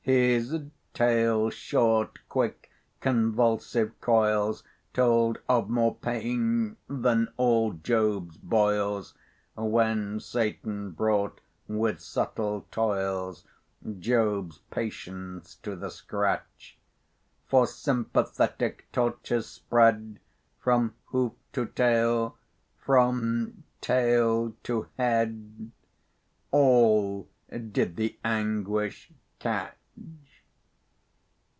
His tail's short, quick, convulsive coils Told of more pain than all Job's boils, When Satan brought, with subtle toils, Job's patience to the scratch. For sympathetic tortures spread From hoof to tail, from tail to head: All did the anguish catch.